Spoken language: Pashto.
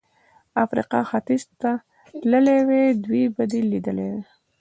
د افریقا ختیځ ته که تللی وای، دوی به دې لیدلي وای.